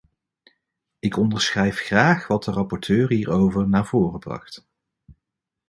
Ik onderschrijf graag wat de rapporteur hierover naar voren bracht.